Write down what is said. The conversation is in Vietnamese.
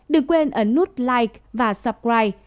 đừng quên ấn nút like và subscribe